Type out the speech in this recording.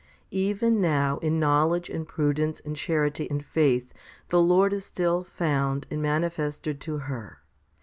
6. Even now in knowledge and prudence and charity and faith the Lord is still found and manifested to her.